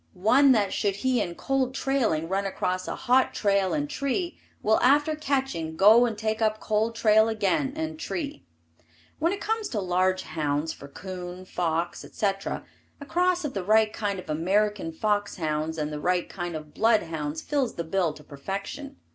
One that should he in cold trailing run across a hot trail and tree, will after catching go and take up cold trail again and tree. When it comes to large hounds for coon, fox, etc., a cross of the right kind of American fox hounds and the right kind of blood hounds fills the bill to perfection.